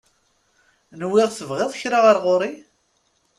Nwiɣ tebɣiḍ kra ɣer ɣur-i?